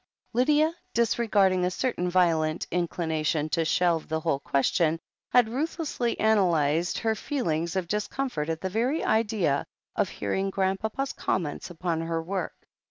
Lydia, disregarding a certain violent inclination to shelve the whole question, had ruthlessly analyzed her feelings of discomfort at the very idea of hearing Grandpapa's comments upon her work.